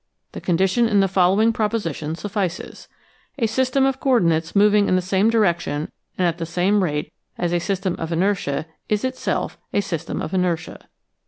The condition in the following proposition suffices : a system of coordinates moving in the same direction and at the same rate as a system of inertia is itself a system of inertia.